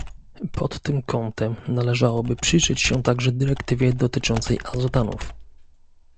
Pod tym kątem należałoby przyjrzeć się także dyrektywie dotyczącej azotanów